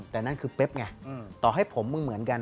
แต่นั่นคือเป๊บไงต่อให้ผมมึงเหมือนกัน